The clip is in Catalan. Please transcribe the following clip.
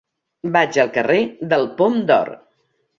Vaig al carrer del Pom d'Or.